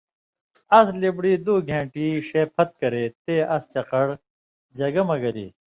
اَس لِبڑی دُو گېن٘ٹی ݜے پھت کرے تے اس چقڑ جگہ مہ گلی۔